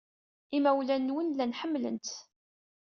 Imawlan-nwen llan ḥemmlen-t.